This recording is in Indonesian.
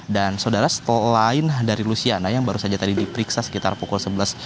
dan saudara setelah lain dari lusiana yang baru saja tadi diperiksa sekitar pukul sebelas dua puluh